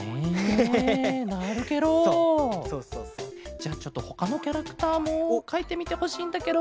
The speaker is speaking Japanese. じゃあちょっとほかのキャラクターもかいてみてほしいんだケロ。